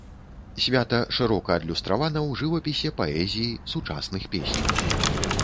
Свята шырока адлюстравана ў жывапісе, паэзіі, сучасных песнях.